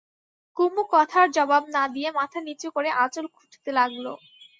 কুমু কথার জবাব না দিয়ে মাথা নিচু করে আঁচল খুঁটতে লাগল।